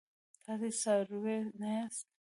تاسي څاروي نه یاست.